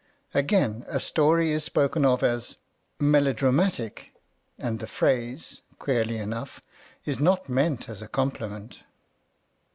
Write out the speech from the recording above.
Again, a story is spoken of as " melodramatic," and the phrase, queerly enough, is not meant as a compliment.